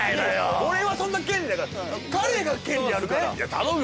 俺はそんな権利ないから彼が権利あるからいや頼むよ